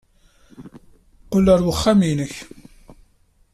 Qqel ɣer uxxam-nnek.